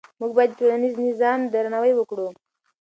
موږ باید د ټولنیز نظام درناوی وکړو.